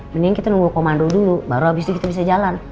mending kita nunggu komando dulu baru habis itu kita bisa jalan